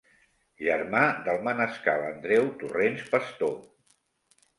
Germà del manescal Andreu Torrens Pastor.